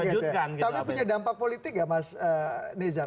tapi punya dampak politik nggak mas nezar